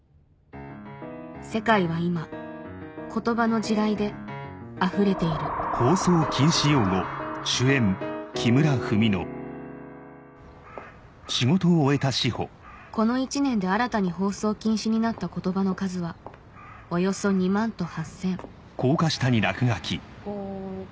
世界は今言葉の地雷であふれているこの１年で新たに放送禁止になった言葉の数はおよそ２万と８０００「ＧＯＫＩＧＥＮＹＯＵ」。